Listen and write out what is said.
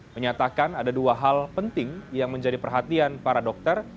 menyatakan ada dua hal penting yang menjadi perhatian para dokter